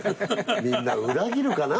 みんな裏切るかな